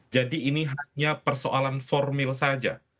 jadi ini hanya persoalan formil saja